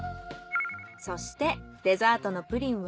そしてデザートのプリンは。